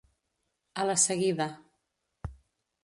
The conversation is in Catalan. A la seguida.